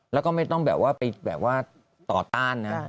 แล้วก็ไม่ต้องแบบว่าต่อต้านนะ